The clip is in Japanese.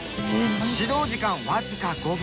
指導時間わずか５分。